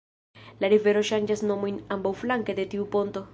La rivero ŝanĝas nomojn ambaŭflanke de tiu ponto.